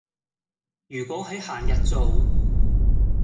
如果喺閒日做